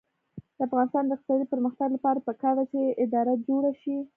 د افغانستان د اقتصادي پرمختګ لپاره پکار ده چې اداره جوړه شي.